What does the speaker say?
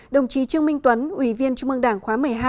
đồng chí trương minh tuấn ủy viên trung mương đảng khóa một mươi hai